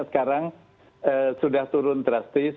sekarang sudah turun drastis